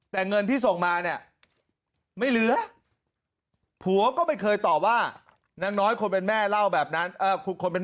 แต่เงินที่ส่งมาเนี่ยไม่เหลือผัวก็ไม่เคยตอบว่านางน้อยคนเป็นแม่เล่าแบบนั้นคนเป็น